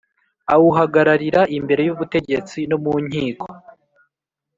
Awuhagararira imbere y ubutegetsi no mu nkiko